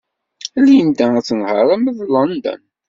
Linda ad tenheṛ arma d London.